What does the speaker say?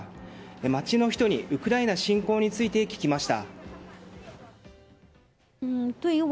街の人にウクライナ侵攻について聞きました。